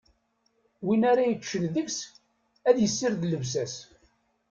Win ara yeččen deg-s, ad issired llebsa-s.